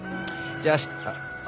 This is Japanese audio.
じゃあ明日。